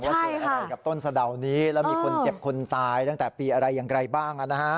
เกิดอะไรกับต้นสะดาวนี้แล้วมีคนเจ็บคนตายตั้งแต่ปีอะไรอย่างไรบ้าง